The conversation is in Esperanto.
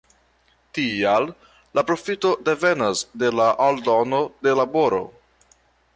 Tial la profito devenas de la aldono de laboro.